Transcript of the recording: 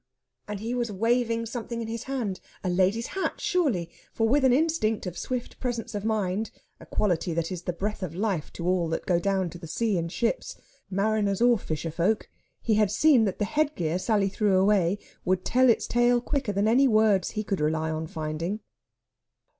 And he was waving something in his hand a lady's hat surely; for with an instinct of swift presence of mind a quality that is the breath of life to all that go down to the sea in ships, mariners or fisher folk he had seen that the headgear Sally threw away would tell its tale quicker than any words he could rely on finding.